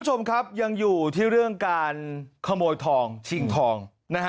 คุณผู้ชมครับยังอยู่ที่เรื่องการขโมยทองชิงทองนะฮะ